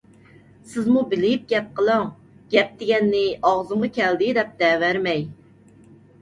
سىزمۇ بىلىپ گەپ قىلىڭ! گەپ دېگەننى ئاغزىمغا كەلدى دەپ دەۋەرمەي!